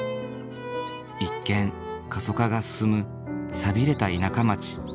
一見過疎化が進む寂れた田舎町。